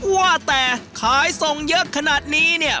ว่าแต่ขายส่งเยอะขนาดนี้เนี่ย